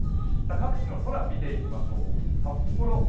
各地の空を見ていきましょう、札幌、